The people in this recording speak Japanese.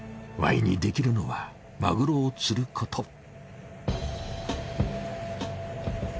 ワイにできるのはマグロを釣ること。